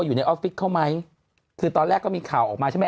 อยู่ในออฟฟิศเขาไหมคือตอนแรกก็มีข่าวออกมาใช่ไหม